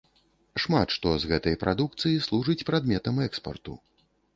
Шмат што з гэтай прадукцыі служыць прадметам экспарту.